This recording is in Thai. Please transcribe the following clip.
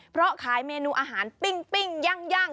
เพราะขายเมนูอาหารปิ้งย่าง